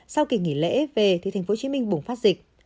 sau kỳ nghỉ lễ về thì tp hcm bùng phát dịch